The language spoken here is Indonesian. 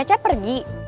kang cecep pergi